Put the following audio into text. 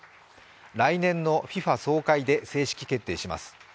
来年のＦＩＦＡ総会で正式決定します。